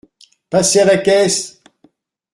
Passez à la caisse !